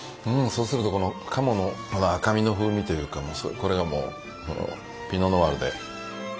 そうするとこの鴨のこの赤身の風味というかこれがもうピノ・ノワールで。